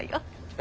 え？